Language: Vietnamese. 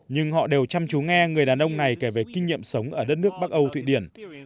nhưng họ đều chăm chú nghe người đàn ông này kể về kinh nghiệm sống ở đất nước bắc âu thụy điển